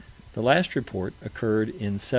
The last report occurred in 1767.